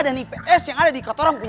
masih ada kitarun